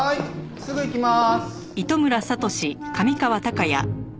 すぐ行きまーす。